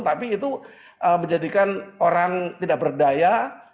tapi itu menjadikan orang tidak berdaya